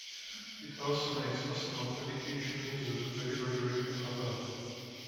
It also makes asthma medication easier to deliver during an attack.